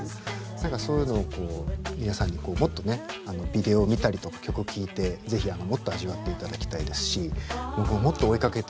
何かそういうのを皆さんにもっとねあのビデオ見たりとか曲聴いて是非もっと味わっていただきたいですし僕ももっと追いかけて。